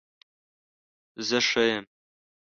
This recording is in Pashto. زه ښه یم